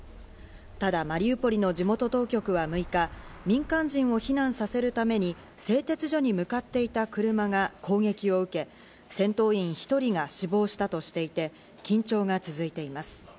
ただマリウポリの地元当局は６日、民間人を避難させるために製鉄所に向かっていた車が攻撃を受け、戦闘員１人が死亡したとしていて緊張が続いています。